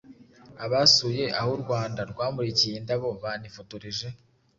Abasuye aho u Rwanda rwamurikiye indabo banifotoreje